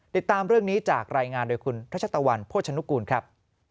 ติดตามเรื่องนี้จากรายงานโดยคุณทัชตะวันโภชนุกูลครับ